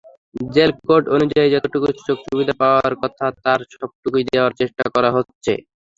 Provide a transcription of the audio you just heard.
Jail code অনুযায়ী যতটুকু সুযোগ-সুবিধা পাওয়ার কথা, তার সবটুকুই দেওয়ার চেষ্টা করা হচ্ছে।